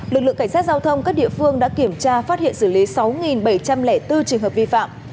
lực lượng cảnh sát giao thông các địa phương đã kiểm tra phát hiện xử lý sáu bảy trăm linh bốn trường hợp vi phạm